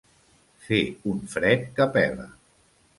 Fer un fred que pela.